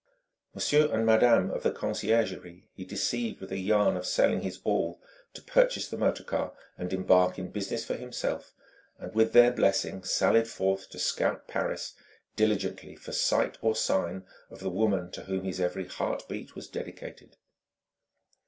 Monsieur and madame of the conciergerie he deceived with a yarn of selling his all to purchase the motor car and embark in business for himself; and with their blessing, sallied forth to scout Paris diligently for sight or sign of the woman to whom his every heart beat was dedicated.